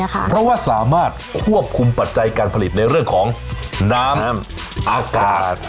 เพราะว่าสามารถควบคุมปัจจัยการผลิตในเรื่องของน้ำอากาศ